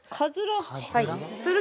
はい。